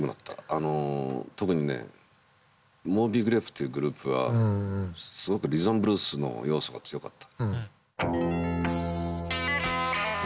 特にねモビー・グレープというグループはすごくリズム・アンド・ブルースの要素が強かった。